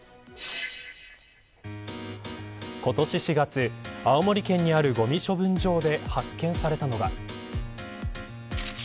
今年４月青森県にあるごみ処分場で発見されたのが。